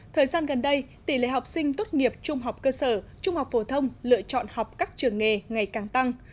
thời gian gần đây tỷ lệ học sinh tốt nghiệp trung học cơ sở trung học phổ thông lựa chọn học các trường nghề ngày càng tăng